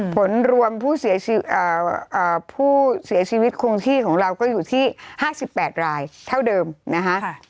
ผลรวมผู้เสียชีวิตคงที่ของเราก็อยู่ที่๕๘รายเท่าเดิมนะคะ